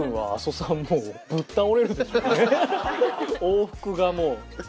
往復がもう。